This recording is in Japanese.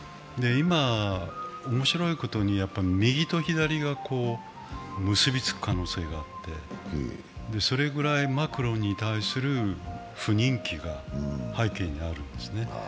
今、面白いことに右と左が結びつく可能性があってそれぐらいマクロンに対する不人気が背景にあるんですね。